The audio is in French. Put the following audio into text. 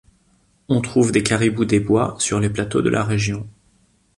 On trouve des Caribous des bois sur les plateaux de la région.